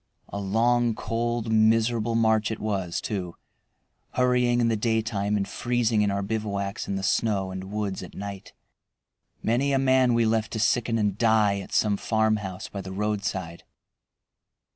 A long, cold, miserable march it was too, hurrying in the daytime and freezing in our bivouacs in the snow and woods at night. Many a man we left to sicken and die at some farmhouse by the roadside.